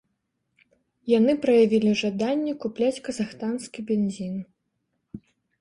Яны праявілі жаданне купляць казахстанскі бензін.